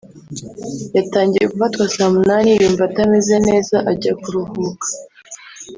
yatangiye gufatwa saa munani yumva atameze neza ajya kuruhuka